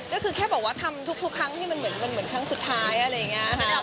ก็คือแค่บอกว่าทำทุกครั้งที่มันเหมือนครั้งสุดท้ายอะไรอย่างนี้